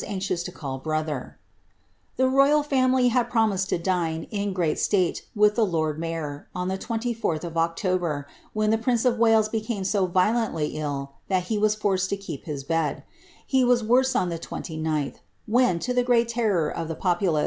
anxious to call brother. The royal family had promised to dincm greai sLate, nilh the loni Tuavor, oD the Sflh of Oclober, when llie prum of VVaiea became so violeiuly ill. that he was forced lo keep hit bed He was wone on the 29lh, when, to the great terror of the popolan.